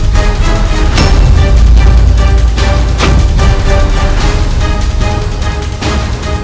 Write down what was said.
bagaimana kau serang perempuan ini